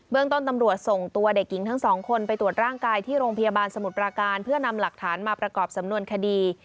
ต้นตำรวจส่งตัวเด็กหญิงทั้งสองคนไปตรวจร่างกายที่โรงพยาบาลสมุทรปราการเพื่อนำหลักฐานมาประกอบสำนวนคดี